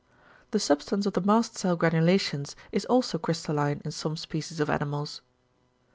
The substance of the mast cell granulations is also crystalline in some species of animals.